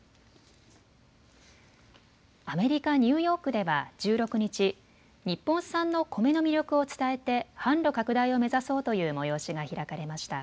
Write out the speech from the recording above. アメリカ・ニューヨークでは１６日、日本産のコメの魅力を伝えて販路拡大を目指そうという催しが開かれました。